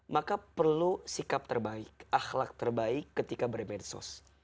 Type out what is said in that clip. maka perlu sikap terbaik akhlak terbaik ketika bermedsos